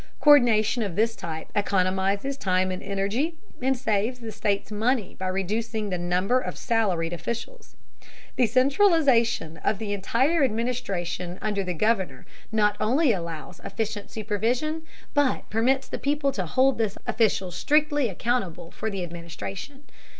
Co÷rdination of this type economizes time and energy, and saves the state's money by reducing the number of salaried officials. The centralization of the entire administration under the Governor not only allows efficient supervision, but permits the people to hold this official strictly accountable for the administration.